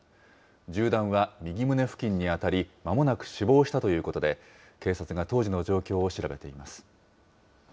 銃弾は右胸付近に当たり、まもなく死亡したということで、警察が当時の状況を調べています。